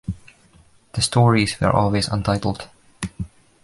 The stories were always untitled.